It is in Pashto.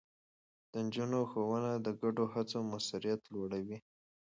د نجونو ښوونه د ګډو هڅو موثريت لوړوي.